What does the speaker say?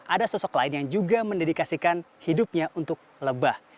ada sosok lain yang juga mendedikasikan hidupnya untuk lebah